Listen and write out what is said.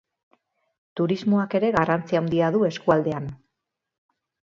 Turismoak ere garrantzi handia du eskualdean.